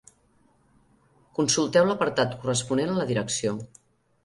Consulteu l'apartat corresponent a la Direcció.